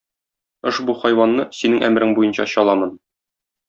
Ошбу хайванны Синең әмерең буенча чаламын.